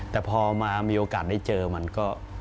แต่พอมามีโอกาสได้เจอมันก็